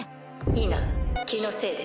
否気のせいです。